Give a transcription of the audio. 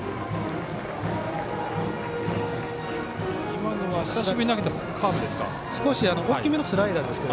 今のは久しぶりに投げたカーブですか。